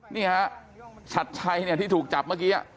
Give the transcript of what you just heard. นี่ฮะชัดชัยเนี่ยที่ถูกจับเมื่อกี้